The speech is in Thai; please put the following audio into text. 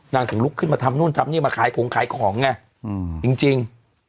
ถึงลุกขึ้นมาทำนู่นทำนี่มาขายของขายของไงจริง